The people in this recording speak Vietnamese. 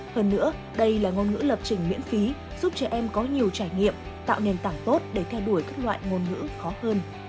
hơn nữa đây là ngôn ngữ lập trình miễn phí giúp trẻ em có nhiều trải nghiệm tạo nền tảng tốt để theo đuổi các loại ngôn ngữ khó hơn